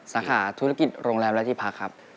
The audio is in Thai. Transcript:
สาขาธุรกิจโรงแรมและที่พักครับ